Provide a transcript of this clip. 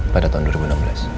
pada tahun dua ribu enam belas